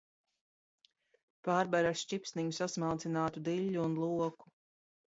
Pārber ar šķipsniņu sasmalcinātu diļļu un loku.